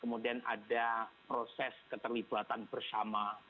kemudian ada proses keterlibatan bersama